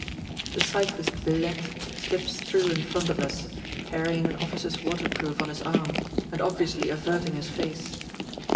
The cyclist Billette slips through in front of us, carrying an officer's waterproof on his arm and obviously averting his face.